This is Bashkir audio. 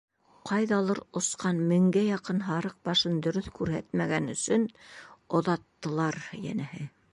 Ҡайҙалыр осҡан меңгә яҡын һарыҡ башын дөрөҫ күрһәтмәгән өсөн оҙаттылар, йәнәһе.